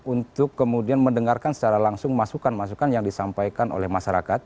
untuk kemudian mendengarkan secara langsung masukan masukan yang disampaikan oleh masyarakat